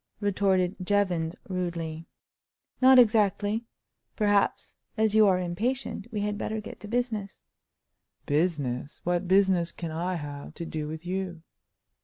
retorted Jevons, rudely. "Not exactly. Perhaps, as you are impatient, we had better get to business." "Business! What business can I have to do with you?"